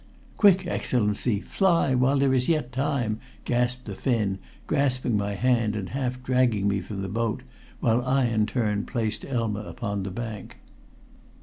"Quick, Excellency! Fly! while there is yet time!" gasped the Finn, grasping my hand and half dragging me from the boat, while, I, in turn, placed Elma upon the bank.